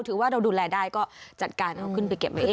ถือว่าเราดูแลได้ก็จัดการเอาขึ้นไปเก็บไว้เอง